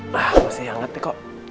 masih hangat ya kok